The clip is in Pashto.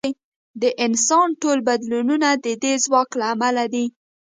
د انسان ټول بدلونونه د دې ځواک له امله دي.